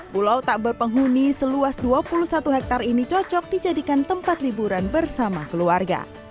pulau tak berpenghuni seluas dua puluh satu hektare ini cocok dijadikan tempat liburan bersama keluarga